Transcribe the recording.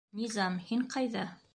Низам, һин ҡайҙа?